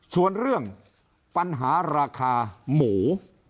ส่วนเรื่องปัญหาราคาหมู